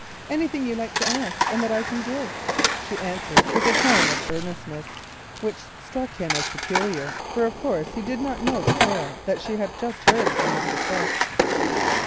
"Anything you like to ask and that I can give," she answered in a tone of earnestness which struck him as peculiar, for of course he did not know the news that she had just heard from Mr. Quest.